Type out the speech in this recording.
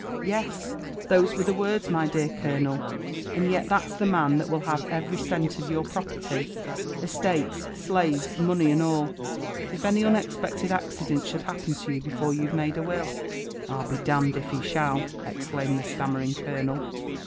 '' Yes, Jhose were the words, my^dear colonel : and yet that's the man that will have every cent of your pro|ierty, estates, slaves, money and all, if any unexpected accident should happen to you before you've made a will." "I'll be d — d if he shall!" exclaimed the stammering colonel.